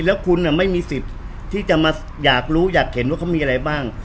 แล้วคุณไม่มีสิทธิ์ที่จะมาอยากรู้อยากเห็นว่าเขามีอะไรบ้าง